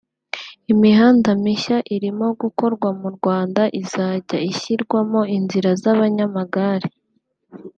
Imihanda mishya irimo gukorwa mu Rwanda izajya ishyirwamo inzira z’abanyamagare